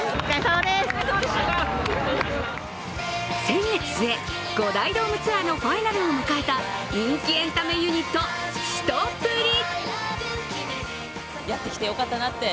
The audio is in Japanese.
先月末、５大ドームツアーのファイナルを迎えた人気エンタメユニット・すとぷり。